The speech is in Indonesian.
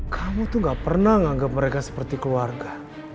kamu tuh gak pernah menganggap mereka seperti keluarga